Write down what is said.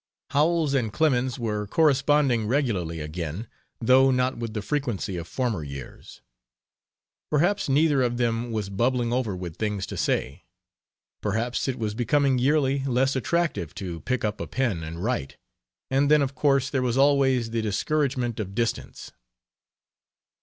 Howells and Clemens were corresponding regularly again, though not with the frequency of former years. Perhaps neither of them was bubbling over with things to say; perhaps it was becoming yearly less attractive to pick up a pen and write, and then, of course, there was always the discouragement of distance.